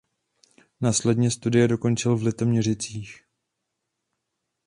Následně studia dokončil v Litoměřicích.